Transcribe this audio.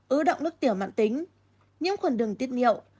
ư động nước tiểu mạng tính nhiễm khuẩn đường tiết nhiệu